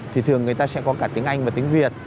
thì thường người ta sẽ có cả tiếng anh và tiếng việt